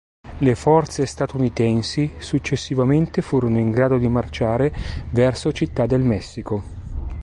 Le forze statunitensi successivamente furono in grado di marciare verso Città del Messico.